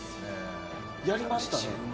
やりましたね。